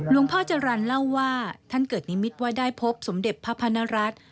พ่อจรรย์เล่าว่าท่านเกิดนิมิตว่าได้พบสมเด็จพระพนรัฐ